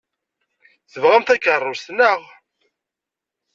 Tebɣam takeṛṛust, naɣ?